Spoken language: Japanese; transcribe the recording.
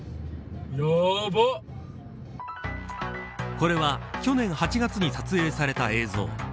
これは去年８月に撮影された映像。